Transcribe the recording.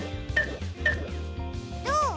どう？